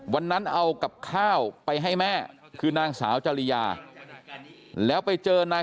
วันนั้นเอากับข้าวไปให้แม่คือนางสาวจริยาแล้วไปเจอนาย